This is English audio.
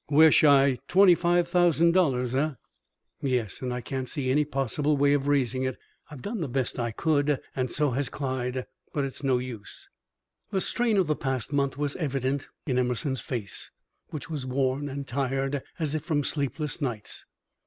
We're shy twenty five thousand dollars, eh?" "Yes, and I can't see any possible way of raising it. I've done the best I could, and so has Clyde, but it's no use." The strain of the past month was evident in Emerson's face, which was worn and tired, as if from sleepless nights.